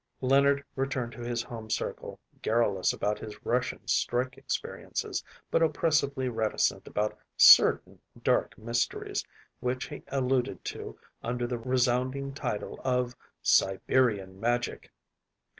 Leonard returned to his home circle garrulous about his Russian strike experiences, but oppressively reticent about certain dark mysteries, which he alluded to under the resounding title of Siberian Magic.